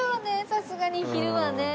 さすがに昼はね。